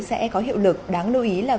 sẽ có hiệu lực đáng lưu ý là